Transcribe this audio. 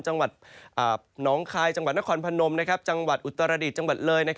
จังหวัดน้องคายจังหวัดนครพนมจังหวัดอุตรดิษฐ์จังหวัดเลย